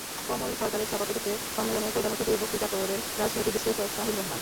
কমল সরকারের সভাপতিত্বে সম্মেলনে প্রধান অতিথির বক্তৃতা করেন রাজনৈতিক বিশ্লেষক শাহীন রহমান।